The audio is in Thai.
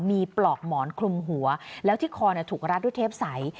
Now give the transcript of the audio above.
มีปลอกหมอนคลุมหัวแล้วที่คอถูกรัดด้วยเทปใส